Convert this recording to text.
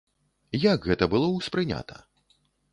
Як гэта было ўспрынята?